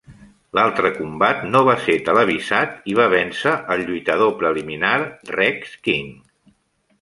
L'altre combat no va ser televisat, i va vèncer el lluitador preliminar, Rex King.